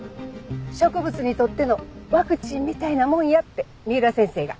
植物にとってのワクチンみたいなもんやって三浦先生が。